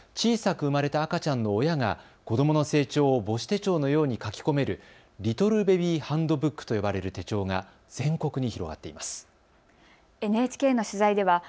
こうした中、小さく産まれた赤ちゃんの親が子どもの成長を母子手帳のように書き込めるリトルベビーハンドブックと呼ばれる手帳が全国に広がっています。